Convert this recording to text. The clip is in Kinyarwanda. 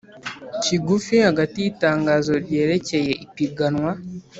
Kigufi hagati y itangazo ryerekeye ipiganwa